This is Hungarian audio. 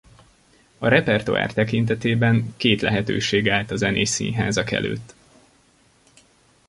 A repertoár tekintetében két lehetőség állt a zenés színházak előtt.